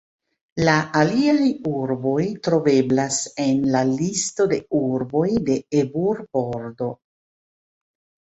La aliaj urboj troveblas en la Listo de urboj de Ebur-Bordo.